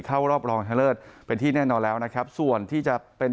เข้ารอบรองชนะเลิศเป็นที่แน่นอนแล้วนะครับส่วนที่จะเป็น